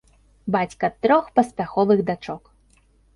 Бацька трох паспяховых дачок.